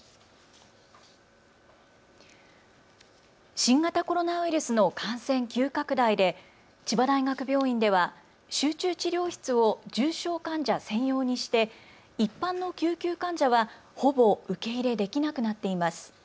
新型コロナウイルスの感染急拡大で千葉大学病院では集中治療室を重症患者専用にして一般の救急患者はほぼ受け入れできなくなっています。